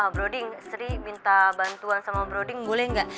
broding sri minta bantuan sama broding boleh enggak